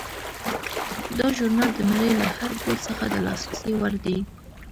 دا ژورنال د نړۍ له هر ګوټ څخه د لاسرسي وړ دی.